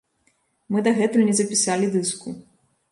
Мы дагэтуль не запісалі дыску.